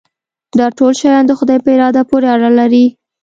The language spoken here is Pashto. دا ټول شیان د خدای په اراده پورې اړه لري.